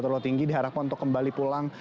terlalu tinggi diharapkan untuk kembali pulang